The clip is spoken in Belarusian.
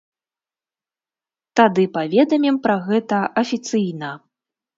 Тады паведамім пра гэта афіцыйна.